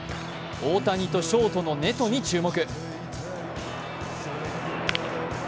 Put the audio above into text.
大谷とショートのネトに注目。